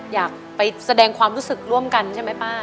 อยากไปแสดงความรู้สึกร่วมกันใช่ไหมป้า